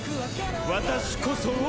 私こそ王！